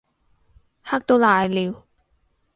嚇到瀨尿